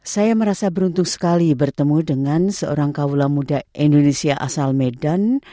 saya merasa beruntung sekali bertemu dengan seorang kaula muda indonesia asal medan